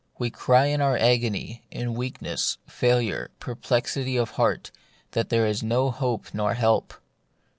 We cry in our agony, in weakness, failure, perplexity of heart, that there is no hope nor help.